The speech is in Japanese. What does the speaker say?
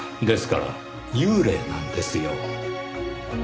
ですから幽霊なんですよ。